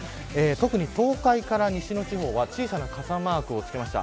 特に東海から西の地方は小さな傘マークをつけました。